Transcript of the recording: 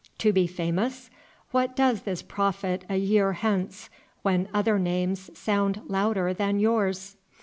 To be famous? What does this profit a year hence, when other names sound louder than yours?